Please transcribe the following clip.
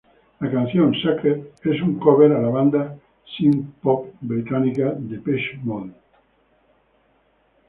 La canción ""Sacred"" es un cover a la banda synthpop británica Depeche Mode.